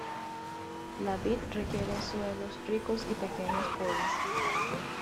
La vid requiere suelos ricos y pequeñas podas.